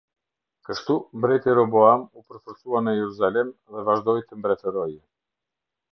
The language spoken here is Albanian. Kështu mbreti Roboam u përforcua në Jeruzalem dhe vazhdoi të mbretërojë.